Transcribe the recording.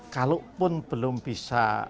kalau pun belum bisa